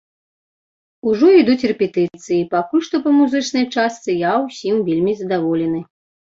Ужо ідуць рэпетыцыі і пакуль што па музычнай частцы я ўсім вельмі задаволены.